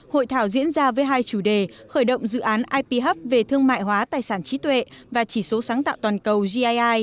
hội thảo diễn ra với hai chủ đề khởi động dự án iphup về thương mại hóa tài sản trí tuệ và chỉ số sáng tạo toàn cầu giei